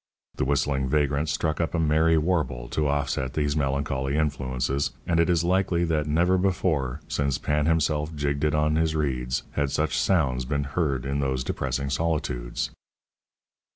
The whistling vagrant struck up a merry warble to offset these melancholy influences, and it is likely that never before, since Pan himself jigged it on his reeds, had such sounds been heard in those depressing solitudes.